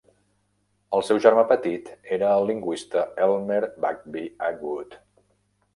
El seu germà petit era el lingüista Elmer Bagby Atwood.